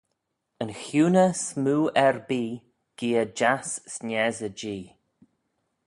Yn chiuney smoo erbee geay jiass sniessey j'ee